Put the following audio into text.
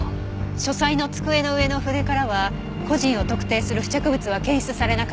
書斎の机の上の筆からは個人を特定する付着物は検出されなかった。